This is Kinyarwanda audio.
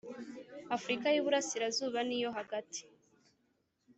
Afurika y iburasirazuba niyo hagati